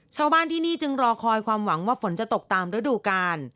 ชาวบ้านที่นี่จึงรอคอยความหวังว่าฝนจะตกตามฤดูกาล